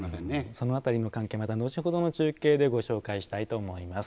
そのあたりの関係また後ほどの中継でご紹介したいと思います。